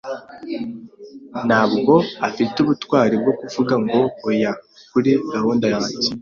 Ntabwo afite ubutwari bwo kuvuga ngo oya kuri gahunda yanjye.